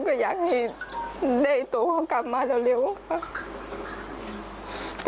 ก็อยากให้ได้ตัวเขากลับมาเร็วค่ะ